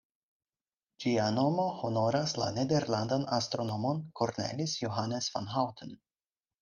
Ĝia nomo honoras la nederlandan astronomon Cornelis Johannes van Houten.